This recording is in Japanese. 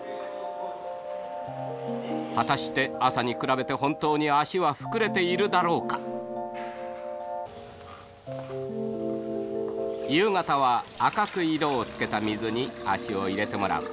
果たして朝に比べて本当に足は膨れているだろうか夕方は赤く色をつけた水に足を入れてもらう。